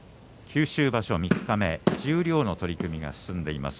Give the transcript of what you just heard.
九州場所三日目十両の取組が進んでいます。